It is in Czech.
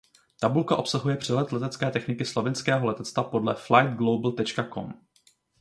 Tabulka obsahuje přehled letecké techniky Slovinského letectva podle Flightglobal.com.